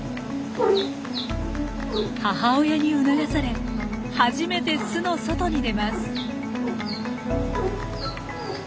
母親に促され初めて巣の外に出ます。